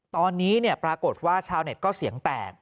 ตอนนี้ปรากฏว่าชาวเน็ตก็เสียงแตก